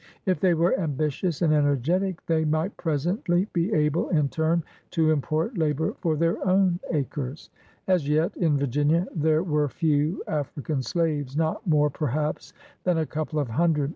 If they were ambitious and ener getic they might presently be able, in turn, to im port labor for their own acres. As yet, in Virginia, there were few African slaves — not more perhaps than a couple of hundred.